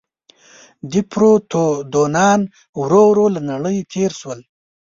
دیپروتودونان ورو ورو له نړۍ تېر شول.